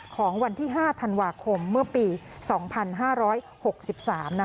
ของวันที่๕ธันวาคมเมื่อปี๒๕๖๓